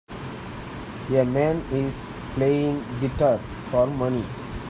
A man is playing guitar for money.